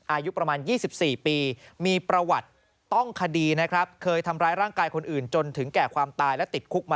อายุประมาณ๒๔ปีมีประวัติต้องคดีนะครับ